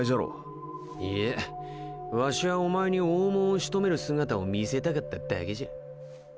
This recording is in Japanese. いやワシはおまえに大物をしとめる姿を見せたかっただけじゃ。